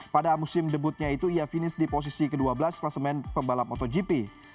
pada musim debutnya itu ia finish di posisi ke dua belas klasemen pembalap motogp